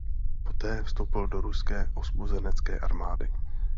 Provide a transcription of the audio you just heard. Poté vstoupil do Ruské osvobozenecké armády.